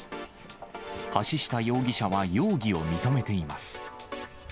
橋下容疑者は容疑を認めています。